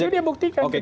jadi dia buktikan